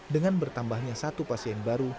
dengan bertambahnya satu pasien baru